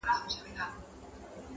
د امیدونو ساحل٫